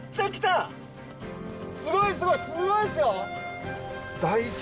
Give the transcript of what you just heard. すごいすごいすごいっすよ！